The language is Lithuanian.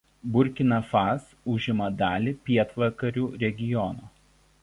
Burkina Fase užima dalį Pietvakarių regiono.